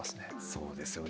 そうですよね。